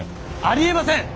ありえません！